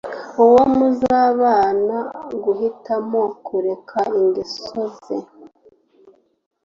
Uwo muzabana guhitamo kureka ingeso ze